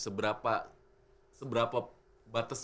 seberapa batas maksimal itu berapa kita yang perhatikan